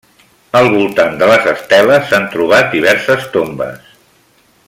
Al voltant de les esteles s'han trobat diverses tombes.